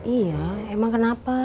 iya emang kenapa